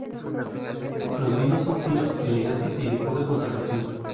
Los vinos son finos, elegantes y de poca conservación.